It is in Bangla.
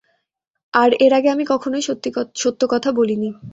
আর এর আগে আমি কখনোই সত্য কথা বলিনি।